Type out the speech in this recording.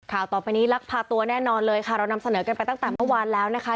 ต่อไปนี้ลักพาตัวแน่นอนเลยค่ะเรานำเสนอกันไปตั้งแต่เมื่อวานแล้วนะคะ